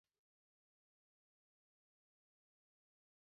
د مخ د مینځلو لپاره د ګلاب او اوبو ګډول وکاروئ